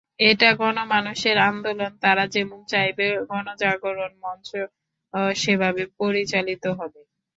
এটা গণমানুষের আন্দোলন, তারা যেমন চাইবে, গণজাগরণ মঞ্চ সেভাবে পরিচালিত হবে।